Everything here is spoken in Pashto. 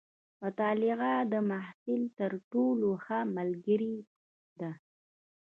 مطالعه د محصل تر ټولو ښه ملګرې ده.